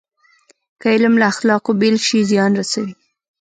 که علم له اخلاقو بېل شي، زیان رسوي.